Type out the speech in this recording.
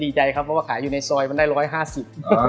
ดีใจครับเพราะขายอยู่ในซอยมันได้๑๕๐บาท